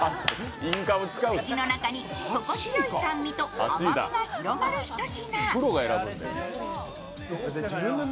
口の中に心地よい酸味と甘みが広がるひと品。